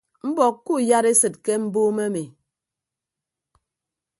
Mbọk kuuyadesịd ke mbuumo emi.